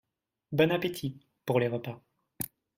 Bon appétit ! (pour les repas…).